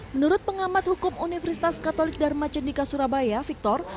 menurut pengamat hukum universitas katolik dharma cendika surabaya victor